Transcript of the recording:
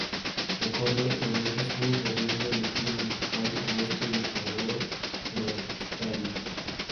Recorre de norte a sur, bordeando el ejido municipal oeste de Comodoro Rivadavia.